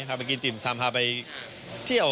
พาไปกินติ่มซำพาไปเที่ยว